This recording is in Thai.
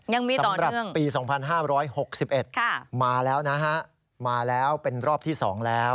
ยังมีต่อเนื่องสำหรับปี๒๕๖๑มาแล้วนะฮะมาแล้วเป็นรอบที่๒แล้ว